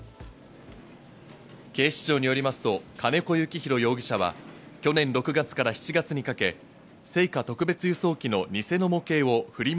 警視庁によりますと、金子幸広容疑者は去年６月から７月にかけ、聖火特別輸送機のニセの模型をフリマ